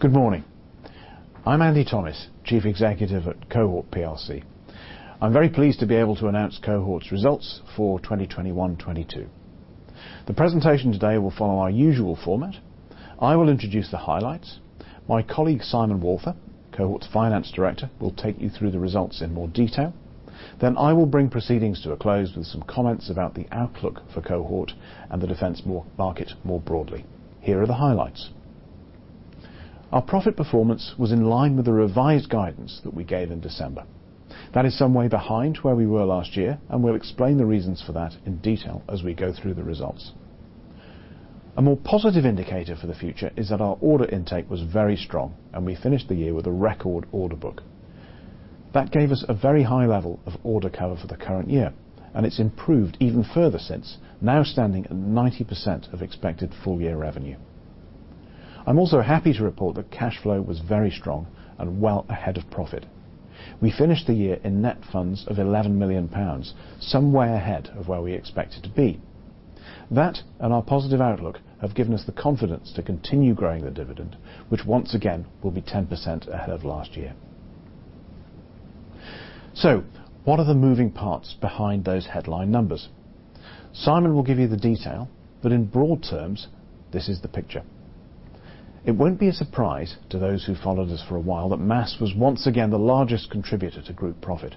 Good morning. I'm Andy Thomis, Chief Executive at Cohort PLC. I'm very pleased to be able to announce Cohort's results for 2021, 2022. The presentation today will follow our usual format. I will introduce the highlights. My colleague, Simon Walther, Cohort's Finance Director, will take you through the results in more detail. Then I will bring proceedings to a close with some comments about the outlook for Cohort and the defense market more broadly. Here are the highlights. Our profit performance was in line with the revised guidance that we gave in December. That is some way behind where we were last year, and we'll explain the reasons for that in detail as we go through the results. A more positive indicator for the future is that our order intake was very strong, and we finished the year with a record order book. That gave us a very high level of order cover for the current year, and it's improved even further since, now standing at 90% of expected full year revenue. I'm also happy to report that cash flow was very strong and well ahead of profit. We finished the year in net funds of 11 million pounds, some way ahead of where we expected to be. That and our positive outlook have given us the confidence to continue growing the dividend, which once again will be 10% ahead of last year. What are the moving parts behind those headline numbers? Simon will give you the detail, but in broad terms, this is the picture. It won't be a surprise to those who've followed us for a while that MASS was once again the largest contributor to group profit.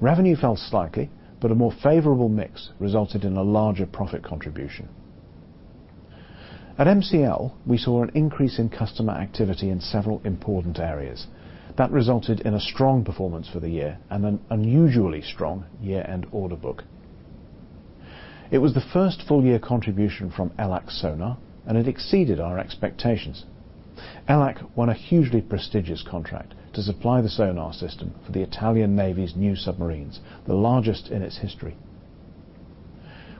Revenue fell slightly, but a more favorable mix resulted in a larger profit contribution. At MCL, we saw an increase in customer activity in several important areas that resulted in a strong performance for the year and an unusually strong year-end order book. It was the first full-year contribution from ELAC SONAR, and it exceeded our expectations. ELAC SONAR won a hugely prestigious contract to supply the sonar system for the Italian Navy's new submarines, the largest in its history.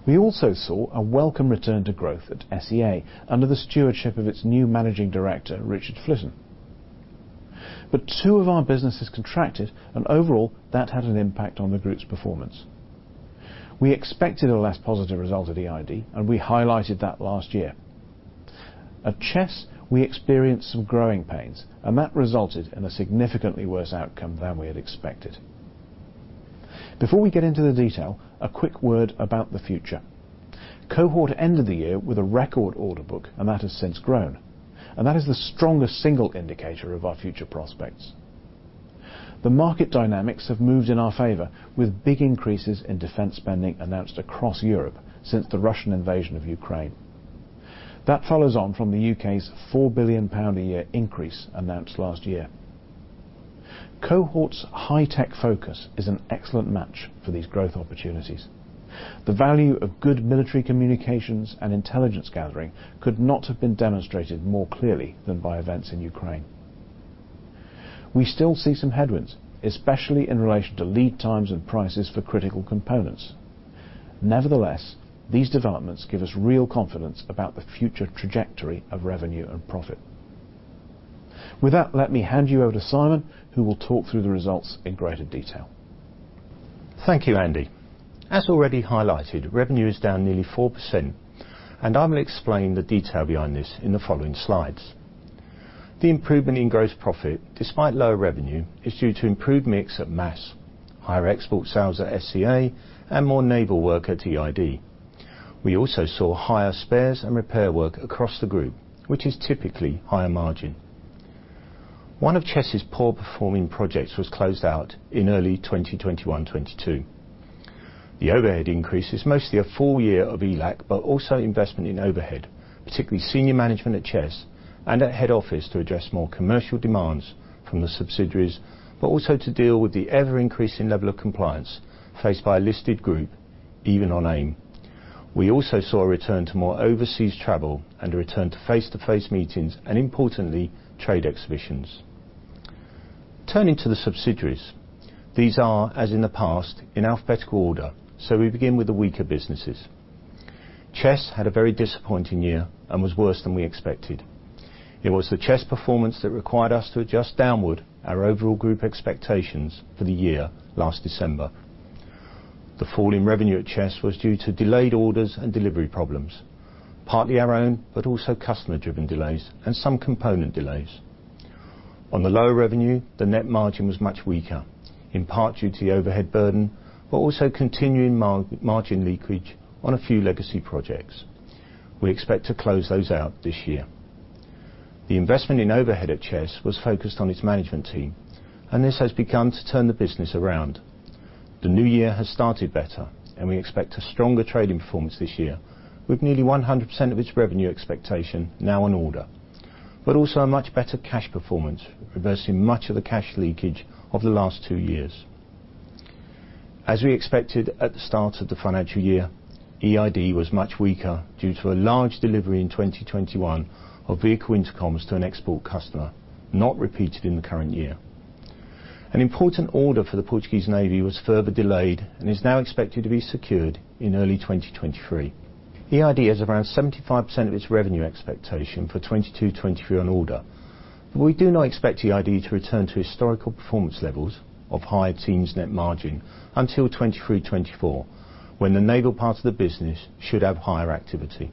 We also saw a welcome return to growth at SEA under the stewardship of its new managing director, Richard Flitton. Two of our businesses contracted, and overall, that had an impact on the group's performance. We expected a less positive result at EID, and we highlighted that last year. At Chess, we experienced some growing pains, and that resulted in a significantly worse outcome than we had expected. Before we get into the detail, a quick word about the future. Cohort ended the year with a record order book, and that has since grown. That is the strongest single indicator of our future prospects. The market dynamics have moved in our favor, with big increases in defense spending announced across Europe since the Russian invasion of Ukraine. That follows on from the U.K.'s 4 billion pound a year increase announced last year. Cohort's high-tech focus is an excellent match for these growth opportunities. The value of good military communications and intelligence gathering could not have been demonstrated more clearly than by events in Ukraine. We still see some headwinds, especially in relation to lead times and prices for critical components. Nevertheless, these developments give us real confidence about the future trajectory of revenue and profit. With that, let me hand you over to Simon, who will talk through the results in greater detail. Thank you, Andy. As already highlighted, revenue is down nearly 4%, and I'm gonna explain the detail behind this in the following slides. The improvement in gross profit, despite lower revenue, is due to improved mix at MASS, higher export sales at SEA, and more naval work at EID. We also saw higher spares and repair work across the group, which is typically higher margin. One of Chess's poor performing projects was closed out in early 2021, 2022. The overhead increase is mostly a full year of ELAC, but also investment in overhead, particularly senior management at Chess and at head office to address more commercial demands from the subsidiaries, but also to deal with the ever-increasing level of compliance faced by a listed group, even on AIM. We also saw a return to more overseas travel and a return to face-to-face meetings, and importantly, trade exhibitions. Turning to the subsidiaries, these are, as in the past, in alphabetical order, so we begin with the weaker businesses. Chess had a very disappointing year and was worse than we expected. It was the Chess performance that required us to adjust downward our overall group expectations for the year last December. The fall in revenue at Chess was due to delayed orders and delivery problems, partly our own, but also customer-driven delays and some component delays. On the lower revenue, the net margin was much weaker, in part due to overhead burden, but also continuing margin leakage on a few legacy projects. We expect to close those out this year. The investment in overhead at Chess was focused on its management team, and this has begun to turn the business around. The new year has started better, and we expect a stronger trading performance this year with nearly 100% of its revenue expectation now in order, but also a much better cash performance, reversing much of the cash leakage of the last two years. As we expected at the start of the financial year, EID was much weaker due to a large delivery in 2021 of vehicle intercoms to an export customer, not repeated in the current year. An important order for the Portuguese Navy was further delayed and is now expected to be secured in early 2023. EID has around 75% of its revenue expectation for 2022-2023 on order. We do not expect EID to return to historical performance levels of high teens net margin until 2023-2024, when the naval part of the business should have higher activity.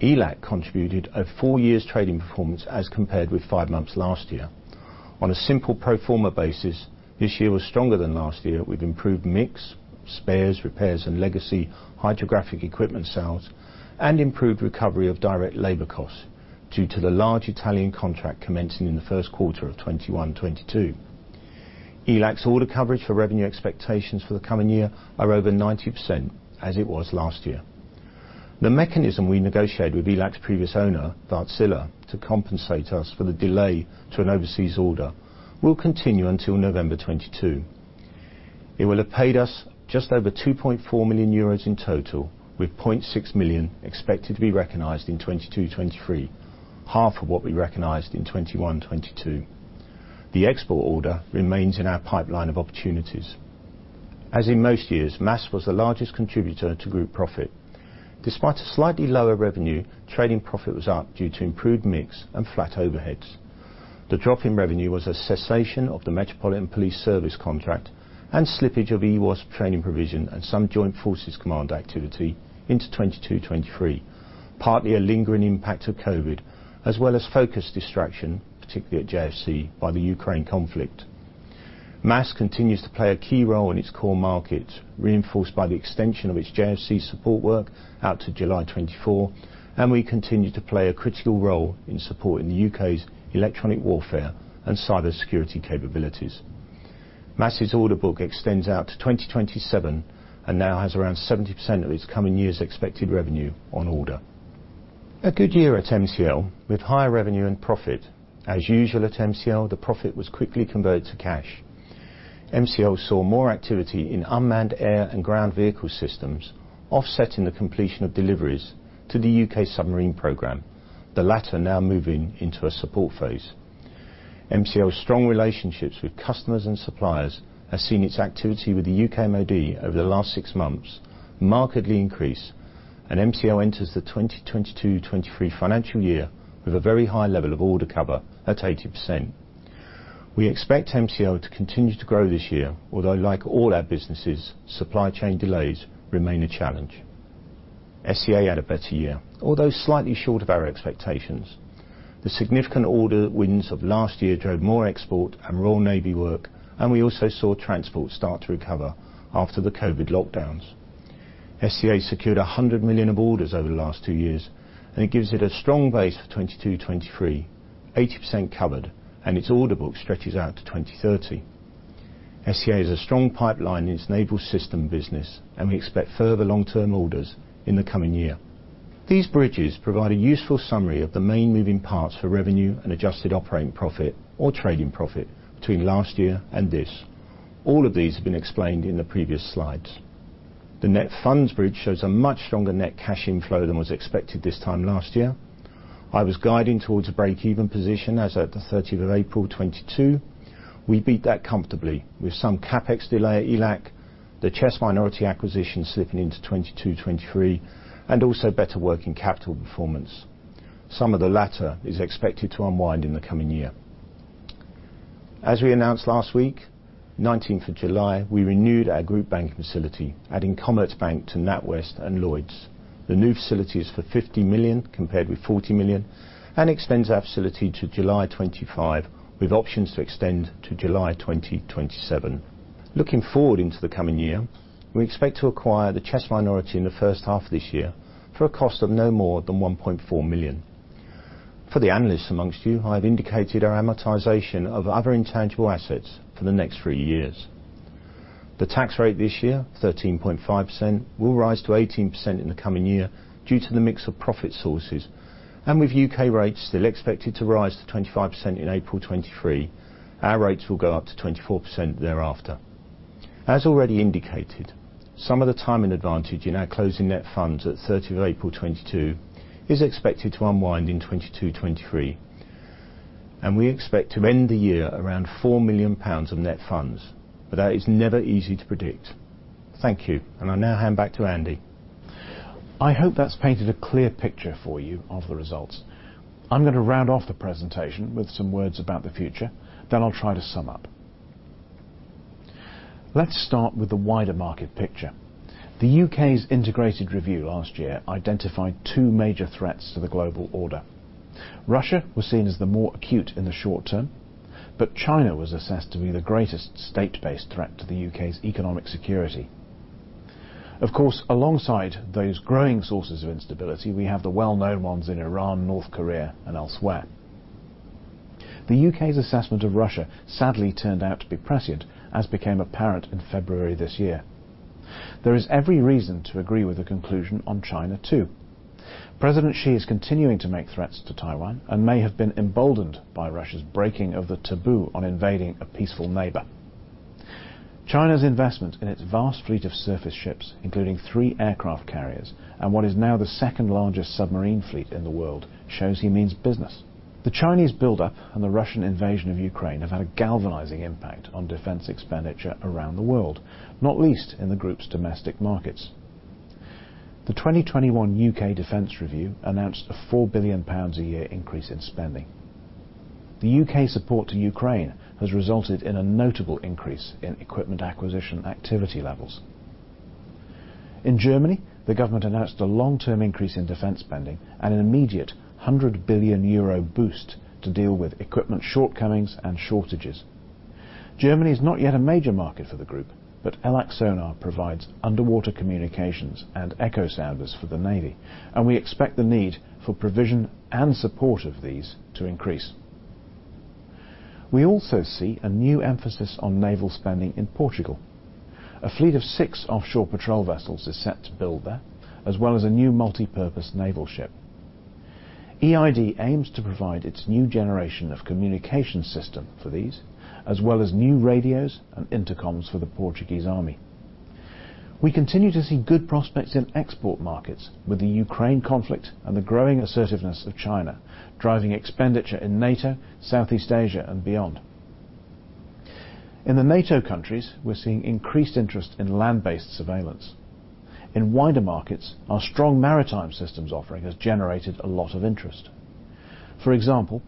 ELAC contributed a full year's trading performance as compared with five months last year. On a simple pro forma basis, this year was stronger than last year with improved mix, spares, repairs, and legacy hydrographic equipment sales, and improved recovery of direct labor costs due to the large Italian contract commencing in the first quarter of 2021-22. ELAC's order coverage for revenue expectations for the coming year are over 90% as it was last year. The mechanism we negotiated with ELAC's previous owner, Wärtsilä, to compensate us for the delay to an overseas order will continue until November 2022. It will have paid us just over 2.4 million euros in total, with 0.6 million expected to be recognized in 2022-2023, half of what we recognized in 2021-2022. The export order remains in our pipeline of opportunities. As in most years, MASS was the largest contributor to group profit. Despite a slightly lower revenue, trading profit was up due to improved mix and flat overheads. The drop in revenue was a cessation of the Metropolitan Police Service contract and slippage of EWOS training provision and some Joint Forces Command activity into 2022, 2023, partly a lingering impact of COVID, as well as focus distraction, particularly at JFC, by the Ukraine conflict. MASS continues to play a key role in its core markets, reinforced by the extension of its JFC support work out to July 2024, and we continue to play a critical role in supporting the U.K.'s electronic warfare and cybersecurity capabilities. MASS' order book extends out to 2027 and now has around 70% of its coming year's expected revenue on order. A good year at MCL, with higher revenue and profit. As usual at MCL, the profit was quickly converted to cash. MCL saw more activity in unmanned air and ground vehicle systems, offsetting the completion of deliveries to the U.K. submarine program, the latter now moving into a support phase. MCL's strong relationships with customers and suppliers has seen its activity with the U.K. MOD over the last six months markedly increase, and MCL enters the 2022-2023 financial year with a very high level of order cover at 80%. We expect MCL to continue to grow this year, although like all our businesses, supply chain delays remain a challenge. SEA had a better year, although slightly short of our expectations. The significant order wins of last year drove more export and Royal Navy work, and we also saw transport start to recover after the COVID lockdowns. SEA secured 100 million of orders over the last two years, and it gives it a strong base for 2022, 2023, 80% covered, and its order book stretches out to 2030. SEA has a strong pipeline in its naval system business, and we expect further long-term orders in the coming year. These bridges provide a useful summary of the main moving parts for revenue and adjusted operating profit or trading profit between last year and this. All of these have been explained in the previous slides. The net funds bridge shows a much stronger net cash inflow than was expected this time last year. I was guiding towards a break-even position as at the thirtieth of April 2022. We beat that comfortably with some CapEx delay at ELAC, the Chess minority acquisition slipping into 2022, 2023, and also better working capital performance. Some of the latter is expected to unwind in the coming year. As we announced last week, 19th of July, we renewed our group bank facility, adding Commerzbank to NatWest and Lloyds. The new facility is for 50 million, compared with 40 million, and extends our facility to July 2025, with options to extend to July 2027. Looking forward into the coming year, we expect to acquire the Chess minority in the first half of this year for a cost of no more than 1.4 million. For the analysts among you, I have indicated our amortization of other intangible assets for the next three years. The tax rate this year, 13.5%, will rise to 18% in the coming year due to the mix of profit sources. With U.K. rates still expected to rise to 25% in April 2023, our rates will go up to 24% thereafter. As already indicated, some of the timing advantage in our closing net funds at 30th of April 2022 is expected to unwind in 2022-2023. We expect to end the year around 4 million pounds of net funds, but that is never easy to predict. Thank you. I now hand back to Andy. I hope that's painted a clear picture for you of the results. I'm gonna round off the presentation with some words about the future, then I'll try to sum up. Let's start with the wider market picture. The U.K.'s integrated review last year identified two major threats to the global order. Russia was seen as the more acute in the short term, but China was assessed to be the greatest state-based threat to the U.K.'s economic security. Of course, alongside those growing sources of instability, we have the well-known ones in Iran, North Korea, and elsewhere. The U.K.'s assessment of Russia sadly turned out to be prescient, as became apparent in February this year. There is every reason to agree with the conclusion on China too. President Xi is continuing to make threats to Taiwan and may have been emboldened by Russia's breaking of the taboo on invading a peaceful neighbor. China's investment in its vast fleet of surface ships, including three aircraft carriers and what is now the second-largest submarine fleet in the world, shows he means business. The Chinese buildup and the Russian invasion of Ukraine have had a galvanizing impact on defense expenditure around the world, not least in the group's domestic markets. The 2021 UK Defense Review announced a 4 billion pounds a year increase in spending. The U.K. support to Ukraine has resulted in a notable increase in equipment acquisition activity levels. In Germany, the government announced a long-term increase in defense spending and an immediate 100 billion euro boost to deal with equipment shortcomings and shortages. Germany is not yet a major market for the group, but ELAC SONAR provides underwater communications and echo sounders for the Navy, and we expect the need for provision and support of these to increase. We also see a new emphasis on naval spending in Portugal. A fleet of six offshore patrol vessels is set to build there, as well as a new multipurpose naval ship. EID aims to provide its new generation of communication system for these, as well as new radios and intercoms for the Portuguese Army. We continue to see good prospects in export markets with the Ukraine conflict and the growing assertiveness of China, driving expenditure in NATO, Southeast Asia and beyond. In the NATO countries, we're seeing increased interest in land-based surveillance. In wider markets, our strong maritime systems offering has generated a lot of interest. For example,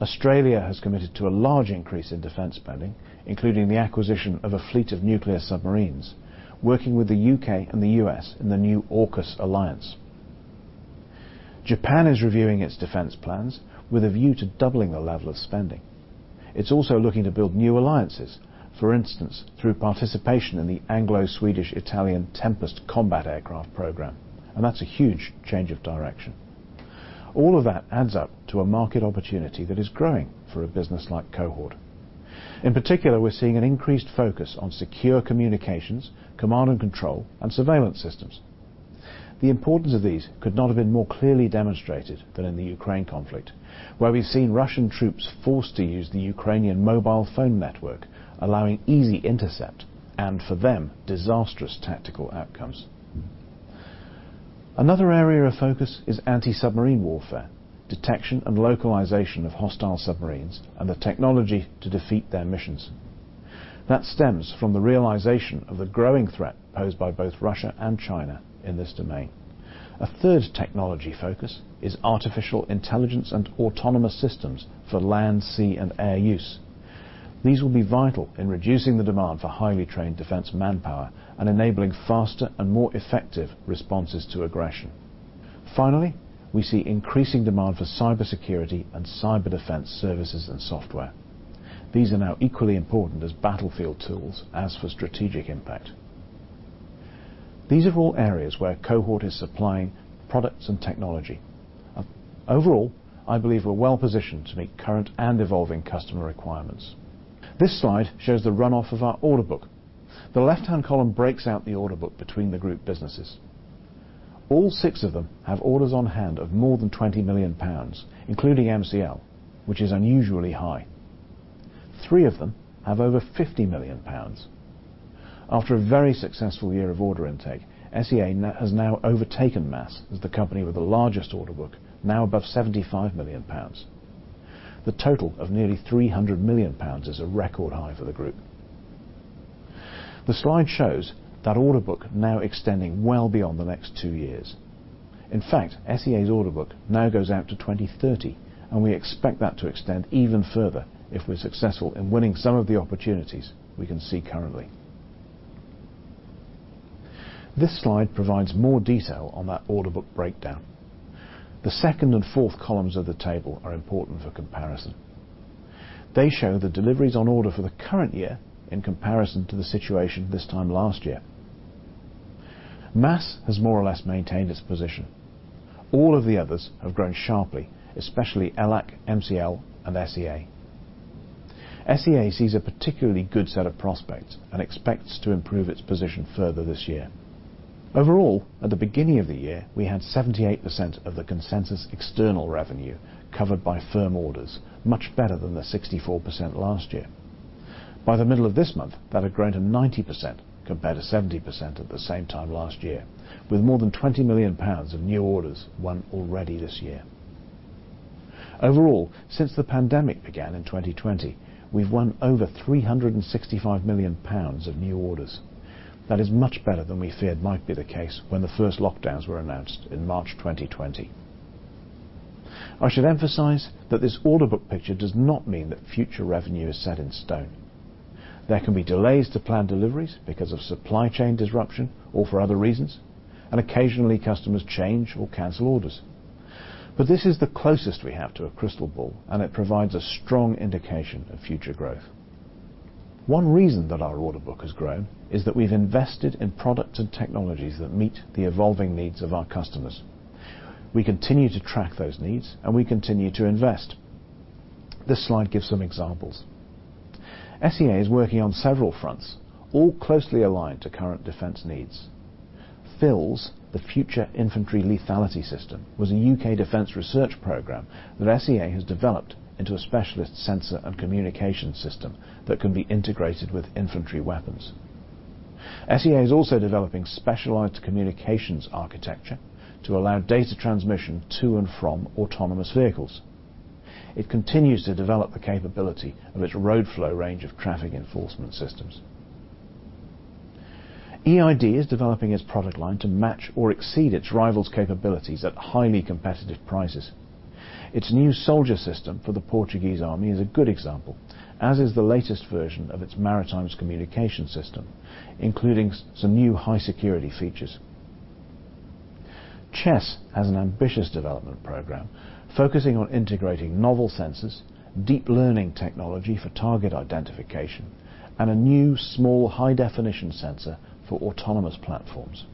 Australia has committed to a large increase in defense spending, including the acquisition of a fleet of nuclear submarines, working with the U.K. and the U.S. in the new AUKUS alliance. Japan is reviewing its defense plans with a view to doubling the level of spending. It's also looking to build new alliances. For instance, through participation in the Anglo-Swedish-Italian Tempest combat aircraft program, and that's a huge change of direction. All of that adds up to a market opportunity that is growing for a business like Cohort. In particular, we're seeing an increased focus on secure communications, command and control, and surveillance systems. The importance of these could not have been more clearly demonstrated than in the Ukraine conflict, where we've seen Russian troops forced to use the Ukrainian mobile phone network, allowing easy intercept and for them, disastrous tactical outcomes. Another area of focus is anti-submarine warfare, detection and localization of hostile submarines, and the technology to defeat their missions. That stems from the realization of the growing threat posed by both Russia and China in this domain. A third technology focus is artificial intelligence and autonomous systems for land, sea, and air use. These will be vital in reducing the demand for highly trained defense manpower and enabling faster and more effective responses to aggression. Finally, we see increasing demand for cybersecurity and cyber defense services and software. These are now equally important as battlefield tools as for strategic impact. These are all areas where Cohort is supplying products and technology. Overall, I believe we're well-positioned to meet current and evolving customer requirements. This slide shows the runoff of our order book. The left-hand column breaks out the order book between the group businesses. All six of them have orders on hand of more than 20 million pounds, including MCL, which is unusually high. Three of them have over 50 million pounds. After a very successful year of order intake, SEA has now overtaken MASS as the company with the largest order book, now above 75 million pounds. The total of nearly 300 million pounds is a record high for the group. The slide shows that order book now extending well beyond the next two years. In fact, SEA's order book now goes out to 2030, and we expect that to extend even further if we're successful in winning some of the opportunities we can see currently. This slide provides more detail on that order book breakdown. The second and fourth columns of the table are important for comparison. They show the deliveries on order for the current year in comparison to the situation this time last year. MASS has more or less maintained its position. All of the others have grown sharply, especially ELAC, MCL, and SEA. SEA sees a particularly good set of prospects and expects to improve its position further this year. Overall, at the beginning of the year, we had 78% of the consensus external revenue covered by firm orders, much better than the 64% last year. By the middle of this month, that had grown to 90% compared to 70% at the same time last year, with more than 20 million pounds of new orders won already this year. Overall, since the pandemic began in 2020, we've won over 365 million pounds of new orders. That is much better than we feared might be the case when the first lockdowns were announced in March 2020. I should emphasize that this order book picture does not mean that future revenue is set in stone. There can be delays to planned deliveries because of supply chain disruption or for other reasons, and occasionally customers change or cancel orders. This is the closest we have to a crystal ball, and it provides a strong indication of future growth. One reason that our order book has grown is that we've invested in products and technologies that meet the evolving needs of our customers. We continue to track those needs, and we continue to invest. This slide gives some examples. SEA is working on several fronts, all closely aligned to current defense needs. FILS, the Future Infantry Lethality System, was a U.K. defense research program that SEA has developed into a specialist sensor and communication system that can be integrated with infantry weapons. SEA is also developing specialized communications architecture to allow data transmission to and from autonomous vehicles. It continues to develop the capability of its ROADflow range of traffic enforcement systems. EID is developing its product line to match or exceed its rivals' capabilities at highly competitive prices. Its new soldier system for the Portuguese army is a good example, as is the latest version of its maritime communication system, including some new high-security features. Chess has an ambitious development program focusing on integrating novel sensors, deep learning technology for target identification, and a new small high-definition sensor for autonomous platforms.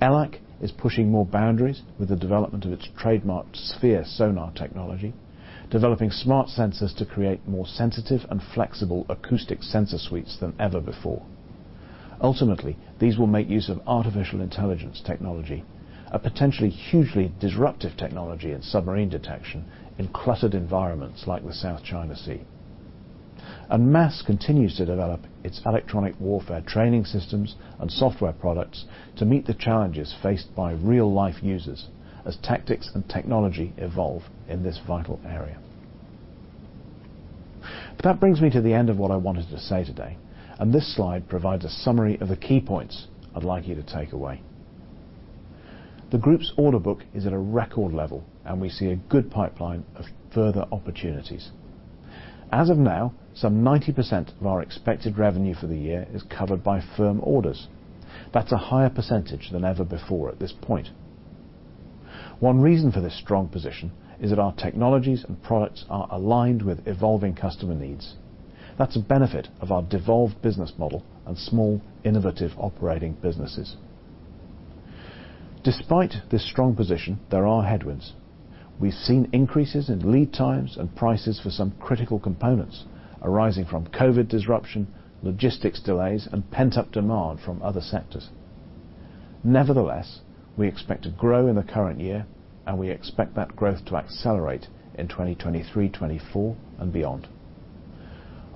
ELAC is pushing more boundaries with the development of its trademarked SPHERE sonar technology, developing smart sensors to create more sensitive and flexible acoustic sensor suites than ever before. Ultimately, these will make use of artificial intelligence technology, a potentially hugely disruptive technology in submarine detection in cluttered environments like the South China Sea. MASS continues to develop its electronic warfare training systems and software products to meet the challenges faced by real-life users as tactics and technology evolve in this vital area. That brings me to the end of what I wanted to say today, and this slide provides a summary of the key points I'd like you to take away. The group's order book is at a record level, and we see a good pipeline of further opportunities. As of now, some 90% of our expected revenue for the year is covered by firm orders. That's a higher percentage than ever before at this point. One reason for this strong position is that our technologies and products are aligned with evolving customer needs. That's a benefit of our devolved business model and small, innovative operating businesses. Despite this strong position, there are headwinds. We've seen increases in lead times and prices for some critical components arising from COVID disruption, logistics delays, and pent-up demand from other sectors. Nevertheless, we expect to grow in the current year, and we expect that growth to accelerate in 2023, 2024 and beyond.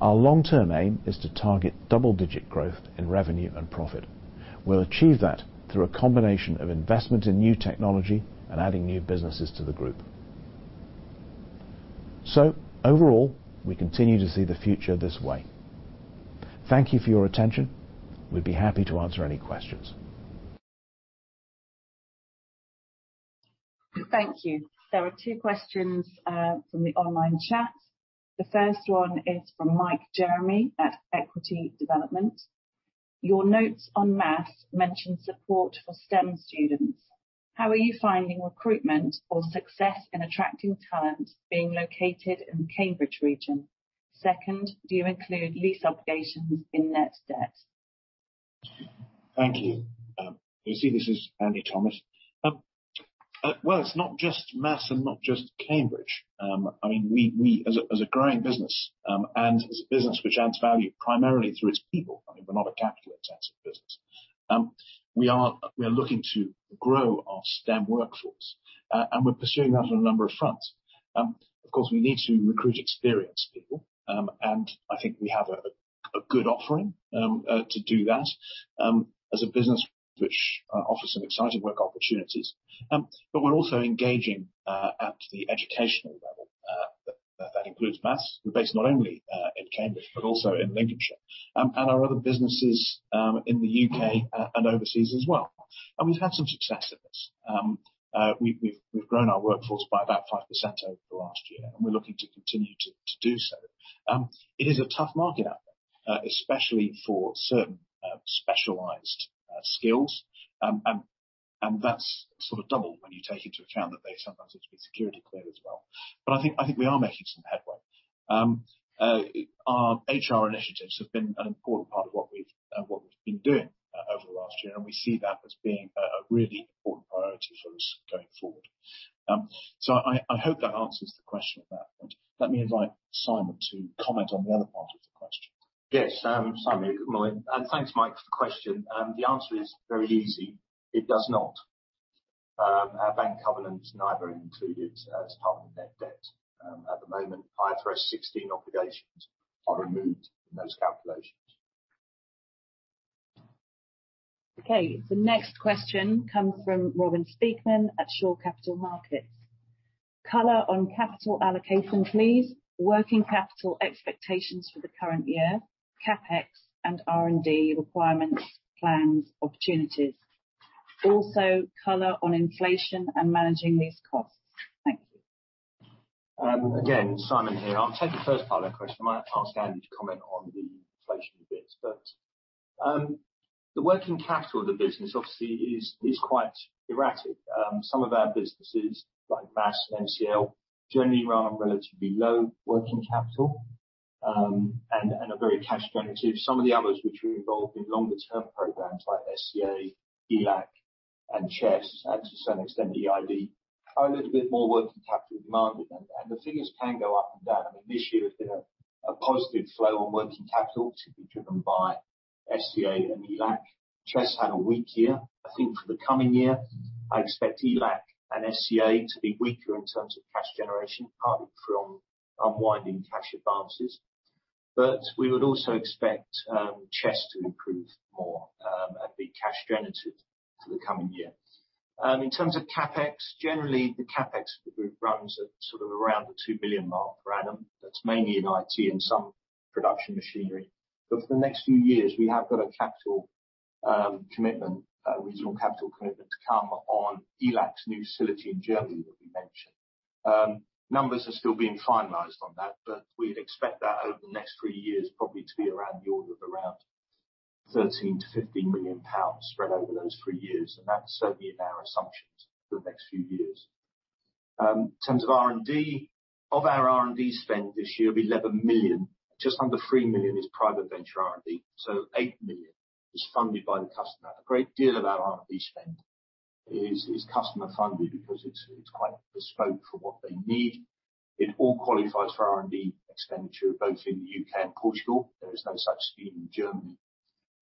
Our long-term aim is to target double-digit growth in revenue and profit. We'll achieve that through a combination of investment in new technology and adding new businesses to the group. Overall, we continue to see the future this way. Thank you for your attention. We'd be happy to answer any questions. Thank you. There are two questions from the online chat. The first one is from Mike Jeremy at Equity Development. Your notes on MASS mention support for STEM students. How are you finding recruitment or success in attracting talent being located in the Cambridge region? Second, do you include lease obligations in net debt? Thank you. You'll see this is Andy Thomis. Well, it's not just MASS and not just Cambridge. I mean, we as a growing business, and as a business which adds value primarily through its people, I mean, we're not a capital-intensive business, we are looking to grow our STEM workforce. We're pursuing that on a number of fronts. Of course, we need to recruit experienced people, and I think we have a good offering to do that, as a business which offers some exciting work opportunities. We're also engaging at the educational level, that includes MASS. We're based not only in Cambridge but also in Lincolnshire, and our other businesses in the U.K. and overseas as well, and we've had some success at this. We've grown our workforce by about 5% over the last year, and we're looking to continue to do so. It is a tough market out there, especially for certain specialized skills, and that's sort of doubled when you take into account that they sometimes need to be security cleared as well. But I think we are making some headway. Our HR initiatives have been an important part of what we've been doing over the last year, and we see that as being a really important priority for us going forward. I hope that answers the question at that point. Let me invite Simon to comment on the other part of the question. Yes, Simon Walther, and thanks, Mike, for the question. The answer is very easy. It does not. Our bank covenants not included as part of net debt. At the moment, IFRS 16 obligations are removed from those calculations. Okay. The next question comes from Robin Speakman at Shore Capital Markets. Color on capital allocation, please. Working capital expectations for the current year, CapEx and R&D requirements, plans, opportunities. Also, color on inflation and managing these costs. Thank you. Again, Simon here. I'll take the first part of the question. I might ask Andy to comment on the inflation bits. The working capital of the business obviously is quite erratic. Some of our businesses like MASS and MCL generally run on relatively low working capital, and are very cash generative. Some of the others which are involved in longer term programs like SEA, ELAC and Chess, and to some extent EID, are a little bit more working capital demanded, and the figures can go up and down. I mean, this year has been a positive flow on working capital to be driven by SEA and ELAC. Chess had a weak year. I think for the coming year, I expect ELAC and SEA to be weaker in terms of cash generation, partly from unwinding cash advances. We would also expect Chess to improve more and be cash generative for the coming year. In terms of CapEx, generally, the CapEx of the group runs at sort of around the 20 million mark per annum. That's mainly in IT and some production machinery. For the next few years, we have got a capital commitment, regional capital commitment to come on ELAC's new facility in Germany that we mentioned. Numbers are still being finalized on that, but we'd expect that over the next three years, probably to be around the order of around 13 million-15 million pounds spread over those three years. That's certainly in our assumptions for the next few years. In terms of R&D, of our R&D spend this year of 11 million, just under 3 million is private venture R&D, so 8 million is funded by the customer. A great deal of our R&D spend is customer funded because it's quite bespoke for what they need. It all qualifies for R&D expenditure, both in the U.K. and Portugal. There is no such scheme in Germany.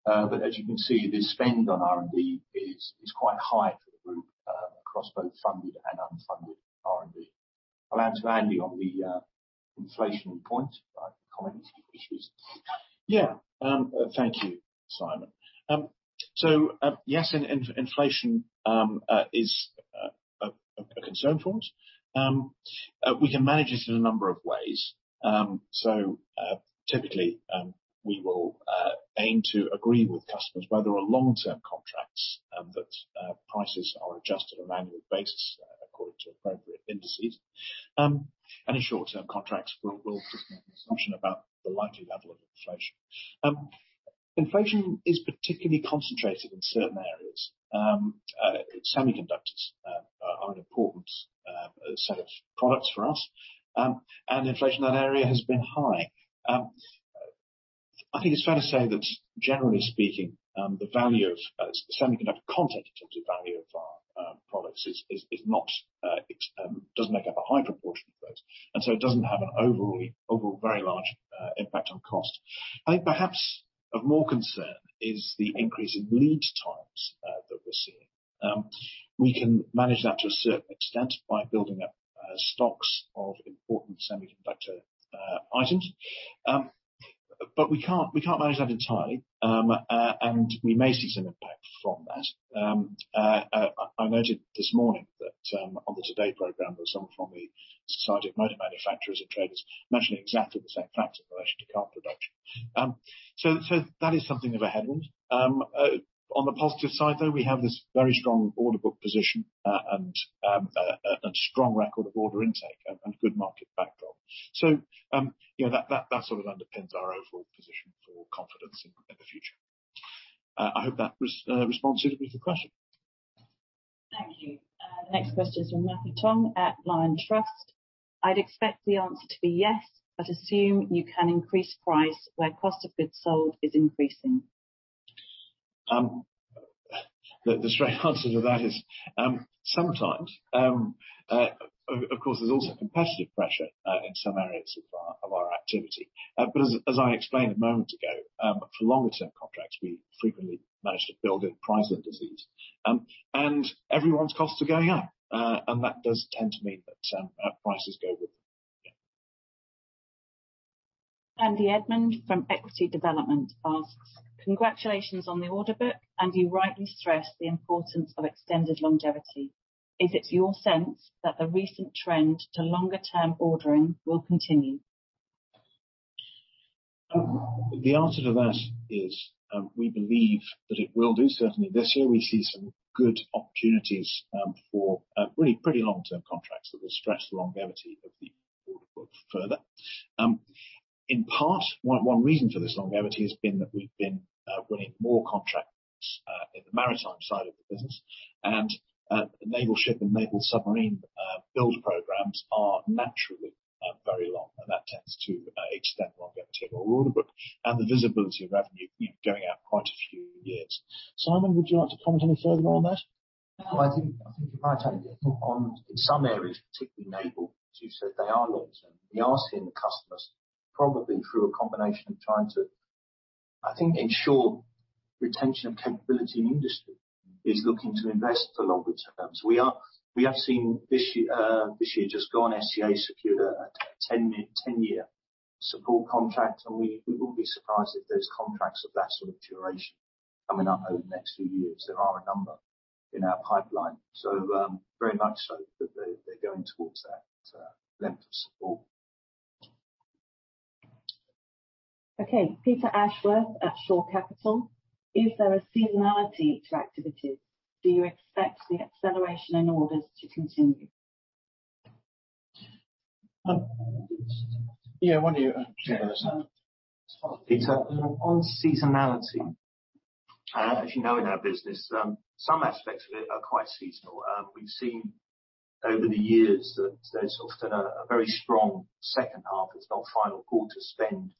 As you can see, the spend on R&D is quite high for the group, across both funded and unfunded R&D. I'll hand to Andy on the inflation point. I can comment on any issues. Yeah. Thank you, Simon. Yes, inflation is a concern for us. We can manage this in a number of ways. Typically, we will aim to agree with customers where there are long-term contracts that prices are adjusted on an annual basis according to appropriate indices. Any short-term contracts, we'll just make an assumption about the likely level of inflation. Inflation is particularly concentrated in certain areas. Semiconductors are an important set of products for us. Inflation in that area has been high. I think it's fair to say that generally speaking, the value of semiconductor content in terms of value of our products is not. It doesn't make up a high proportion of those. It doesn't have an overall very large impact on cost. I think perhaps of more concern is the increase in lead times that we're seeing. We can manage that to a certain extent by building up stocks of important semiconductor items. But we can't manage that entirely. We may see some impact from that. I noted this morning that on the Today program, there was someone from the Society of Motor Manufacturers and Traders mentioning exactly the same factor in relation to car production. That is something of a headwind. On the positive side, though, we have this very strong order book position and a strong record of order intake and good market backdrop. You know, that sort of underpins our overall position for confidence in the future. I hope that responds suitably to the question. Thank you. The next question is from Matthew Tong at Liontrust. I'd expect the answer to be yes, but assume you can increase price where cost of goods sold is increasing. The straight answer to that is, sometimes. Of course, there's also competitive pressure in some areas of our activity. As I explained a moment ago, for longer-term contracts, we frequently manage to build in price indices. Everyone's costs are going up, and that does tend to mean that prices go with them, yeah. Andy Edmond from Equity Development asks, congratulations on the order book, and you rightly stress the importance of extended longevity. Is it your sense that the recent trend to longer-term ordering will continue? The answer to that is, we believe that it will do. Certainly, this year we see some good opportunities for really pretty long-term contracts that will stretch the longevity of the order book further. In part, one reason for this longevity has been that we've been winning more contracts in the maritime side of the business, and naval ship and naval submarine build programs are naturally very long, and that tends to extend the longevity of our order book and the visibility of revenue, you know, going out quite a few years. Simon, would you like to comment any further on that? Well, I think you're right. I think in some areas, particularly naval, as you said, they are long-term. We are seeing the customers probably through a combination of trying to, I think, ensure retention of capability in the industry is looking to invest for longer terms. We have seen this year just gone, SEA secured a 10-year support contract, and we wouldn't be surprised if there's contracts of that sort of duration coming up over the next few years. There are a number in our pipeline. Very much so that they're going towards that length of support. Okay. Peter Ashworth at Shore Capital. Is there a seasonality to activities? Do you expect the acceleration in orders to continue? Yeah, why don't you share that, Simon? Sure. Peter, on seasonality, as you know, in our business, some aspects of it are quite seasonal. We've seen over the years that there's often a very strong second half, if not final quarter spend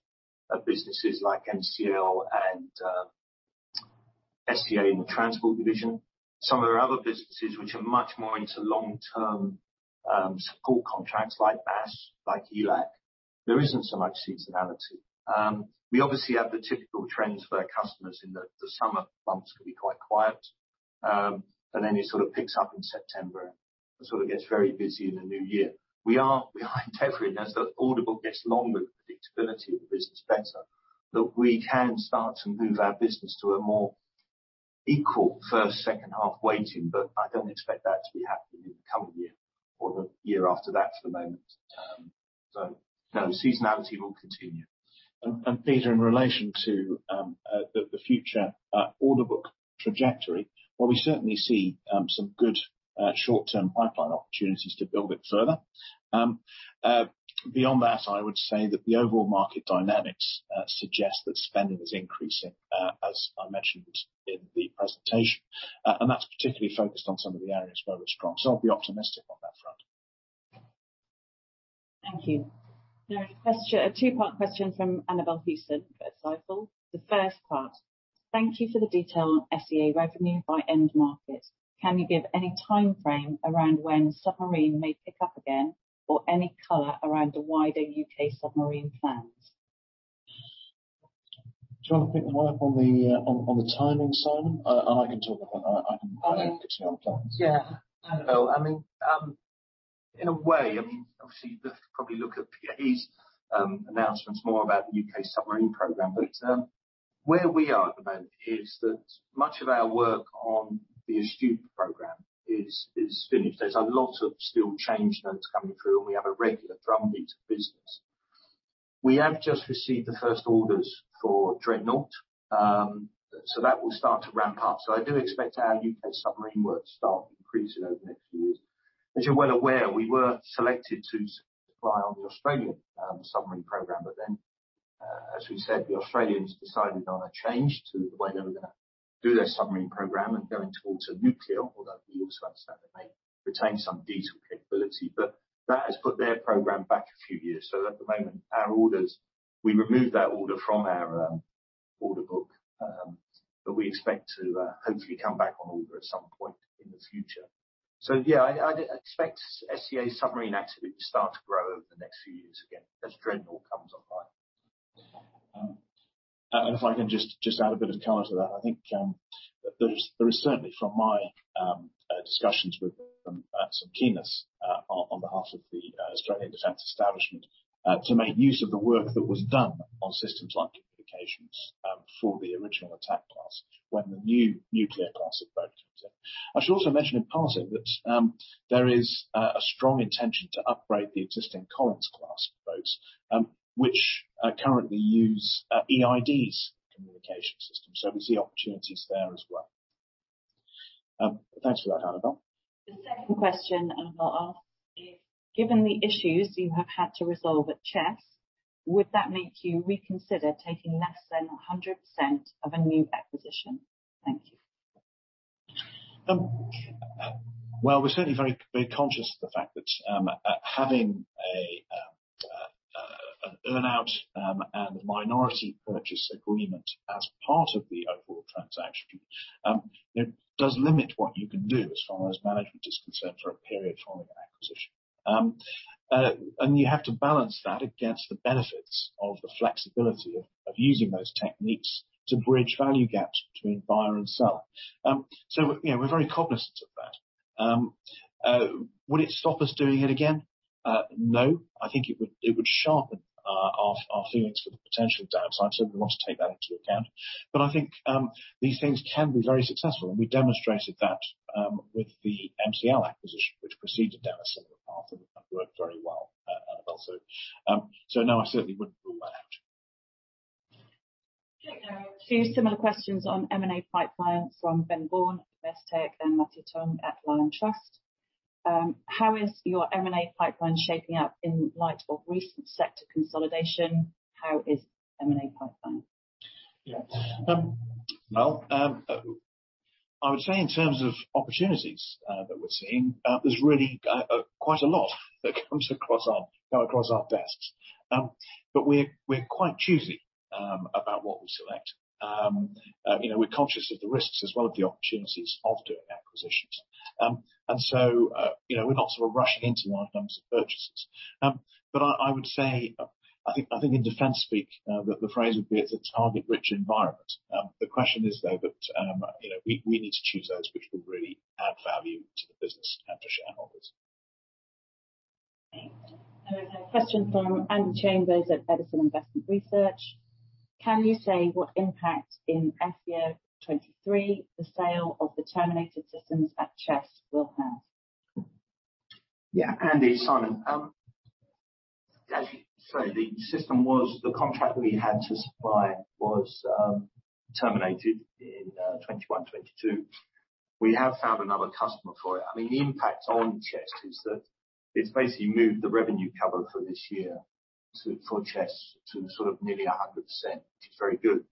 of businesses like MCL and SEA in the transport division. Some of our other businesses which are much more into long-term support contracts like MASS, like ELAC, there isn't so much seasonality. We obviously have the typical trends for our customers in the summer months can be quite quiet, and then it sort of picks up in September and sort of gets very busy in the new year. We are integrating as the order book gets longer, the predictability of the business better, that we can start to move our business to a more equal first, second half weighting. I don't expect that to be happening in the coming year or the year after that for the moment. Seasonality will continue. Peter, in relation to the future order book trajectory, well, we certainly see some good short-term pipeline opportunities to build it further. Beyond that, I would say that the overall market dynamics suggest that spending is increasing, as I mentioned in the presentation, and that's particularly focused on some of the areas where we're strong. I'll be optimistic on that front. Thank you. There is a question, a two-part question from Annabel Houston at Stifel. The first part: Thank you for the detail on SEA revenue by end market. Can you give any timeframe around when submarine may pick up again, or any color around the wider UK submarine plans? Do you wanna pick one up on the timing, Simon? I can talk about item actually on plans. Yeah. Annabel, I mean, in a way, I mean, obviously you probably look at BAE's announcements more about the U.K. submarine program, but where we are at the moment is that much of our work on the Astute program is finished. There's a lot of still change that's coming through, and we have a regular drumbeat of business. We have just received the first orders for Dreadnought, so that will start to ramp up. I do expect our U.K. submarine work to start increasing over the next few years. As you're well aware, we were selected to supply on the Australian submarine program. As we said, the Australians decided on a change to the way they were gonna do their submarine program and going towards a nuclear, although we also understand they may retain some diesel capability. That has put their program back a few years. At the moment, our orders, we removed that order from our order book, but we expect to hopefully come back on order at some point in the future. Yeah, I expect SEA submarine activity to start to grow over the next few years again, as Dreadnought comes online. If I can just add a bit of color to that. I think there is certainly, from my discussions with some keenness on behalf of the Australian defense establishment, to make use of the work that was done on systems like communications for the original Attack-class when the new nuclear class of boat comes in. I should also mention in passing that there is a strong intention to upgrade the existing Collins-class boats, which currently use EID's communication system, so we see opportunities there as well. Thanks for that, Annabel. The second question Annabel asks is: Given the issues you have had to resolve at Chess, would that make you reconsider taking less than 100% of a new acquisition? Thank you. Well, we're certainly very, very conscious of the fact that having an earn out and a minority purchase agreement as part of the overall transaction, you know, does limit what you can do as far as management is concerned for a period following an acquisition. You have to balance that against the benefits of the flexibility of using those techniques to bridge value gaps between buyer and seller. You know, we're very cognizant of that. Would it stop us doing it again? No. I think it would sharpen our feelings for the potential downsides, so we want to take that into account. I think these things can be very successful, and we demonstrated that with the MCL acquisition, which proceeded down a similar path and worked very well, Annabel. No, I certainly wouldn't rule that out. Okay. There are a few similar questions on M&A pipeline from Ben Vaughan at Investec and Matthew Tong at Liontrust. How is your M&A pipeline shaping up in light of recent sector consolidation? Yes. Well, I would say in terms of opportunities that we're seeing, there's really quite a lot that comes across our desks. We're quite choosy about what we select. You know, we're conscious of the risks as well as the opportunities of doing acquisitions. You know, we're not sort of rushing into large numbers of purchases. I would say, I think in defense speak that the phrase would be it's a target-rich environment. The question is, though, that you know, we need to choose those which will really add value to the business and to shareholders. Okay. We have a question from Andy Chambers at Edison Investment Research: Can you say what impact in FY20 23 the sale of the terminated systems at Chess will have? Yeah. Andy, Simon. As you say, the contract that we had to supply was terminated in 2021, 2022. We have found another customer for it. I mean, the impact on Chess is that it's basically moved the revenue cover for this year to for Chess to sort of nearly 100%, which is very good.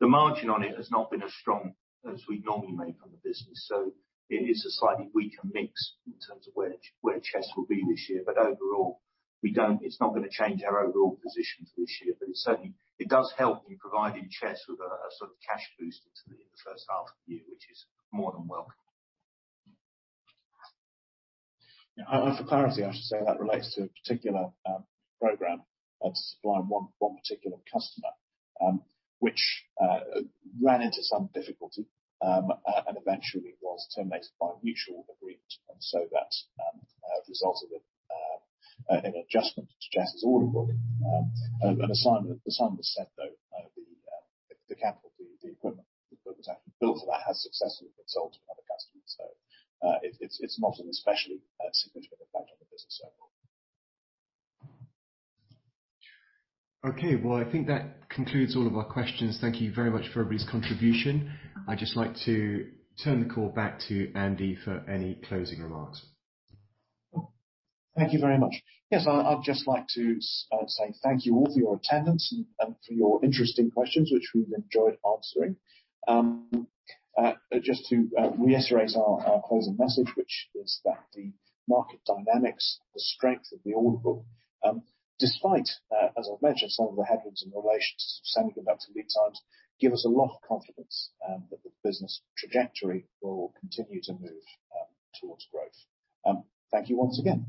The margin on it has not been as strong as we normally make on the business, so it is a slightly weaker mix in terms of where Chess will be this year. Overall, it's not gonna change our overall position for this year, but it certainly does help in providing Chess with a sort of cash boost into the first half of the year, which is more than welcome. Yeah. For clarity, I should say that relates to a particular program to supply one particular customer, which ran into some difficulty and eventually was terminated by mutual agreement. That's resulted in an adjustment to Chess's order book. As Simon said, though, the capital equipment that was actually built for that has successfully been sold to another customer. It's not an especially significant effect on the business overall. Okay. Well, I think that concludes all of our questions. Thank you very much for everybody's contribution. I'd just like to turn the call back to Andy for any closing remarks. Thank you very much. Yes, I'd just like to say thank you all for your attendance and for your interesting questions, which we've enjoyed answering. Just to reiterate our closing message, which is that the market dynamics, the strength of the order book, despite, as I've mentioned, some of the headwinds in relation to semiconductor lead times, give us a lot of confidence, that the business trajectory will continue to move towards growth. Thank you once again.